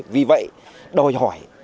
vì vậy đòi hỏi